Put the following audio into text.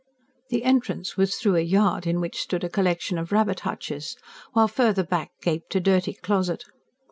The entrance was through a yard in which stood a collection of rabbit hutches, while further back gaped a dirty closet.